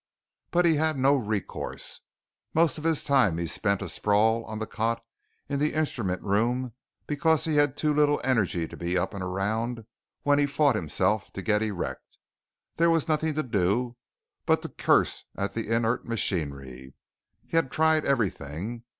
But he had no recourse. Most of his time he spent a sprawl on the cot in the instrument room because he had too little energy to be up and around and when he fought himself to get erect, there was nothing to do but to curse at the inert machinery. He had tried everything.